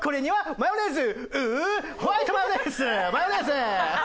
マヨネーズ！